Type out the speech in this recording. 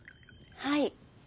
はい。